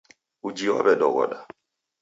Uji w'aw'edoghoda